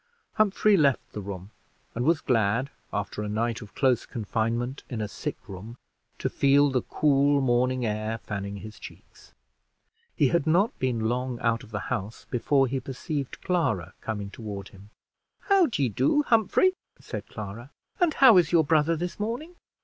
Humphrey left the room, and was glad, after a night of close confinement in a sick room, to feel the cool morning air fanning his cheeks. He had not been long out of the house before he perceived Clara coming toward him. "How d'ye do, Humphrey?" said Clara; "and how is your brother this morning?"